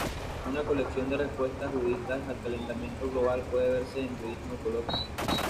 Una colección de respuestas budistas al calentamiento global puede verse en budismo ecológico.